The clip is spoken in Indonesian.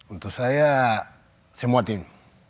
untuk saya semua tim